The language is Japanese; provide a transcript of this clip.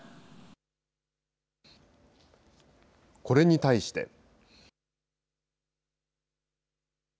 これに対して。